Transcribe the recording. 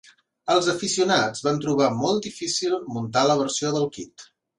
El aficionats van trobar molt difícil muntar la versió del kit.